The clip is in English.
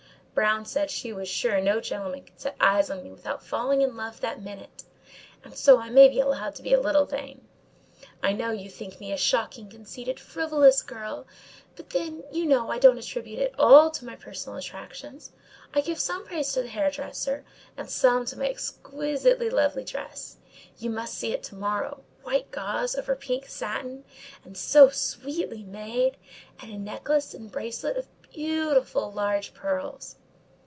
Brown said she was sure no gentleman could set eyes on me without falling in love that minute; and so I may be allowed to be a little vain. I know you think me a shocking, conceited, frivolous girl; but then, you know, I don't attribute it all to my personal attractions: I give some praise to the hairdresser, and some to my exquisitely lovely dress—you must see it to morrow—white gauze over pink satin—and so sweetly made! and a necklace and bracelet of beautiful, large pearls!"